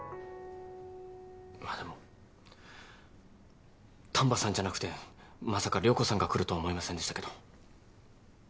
まあでも丹波さんじゃなくてまさか涼子さんが来るとは思いませんでしたけど。